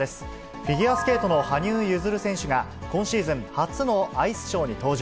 フィギュアスケートの羽生結弦選手が、今シーズン初のアイスショーに登場。